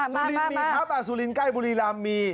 สุรินมีครับสุรินใกล้บุรีรำมี